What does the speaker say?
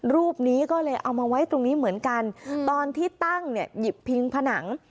รูปนี้ก็เลยเอามาไว้ตรงนี้เหมือนกันตอนที่ตั้งเนี่ยหยิบพิงผนัง